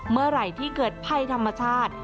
เมื่อไหร่ที่เกิดภัยธรรมชาติ